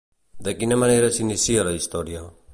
De quina manera s'inicia la història?